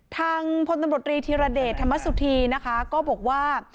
ทางพตธิรเดชธรรมสุธีนะคะก็บอกว่า